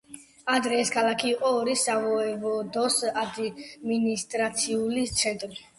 ადრე ეს ქალაქი იყო ორი სავოევოდოს ადმინისტრაციული ცენტრი.